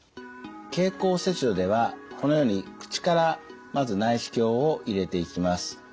経口切除ではこのように口からまず内視鏡を入れていきます。